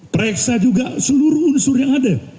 pereksa juga seluruh unsur yang ada